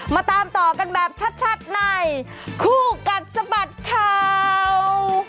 มาตามต่อกันแบบชัดในคู่กัดสะบัดข่าว